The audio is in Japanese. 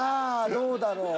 どうだろう。